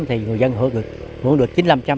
thì người dân hữu được chín mươi năm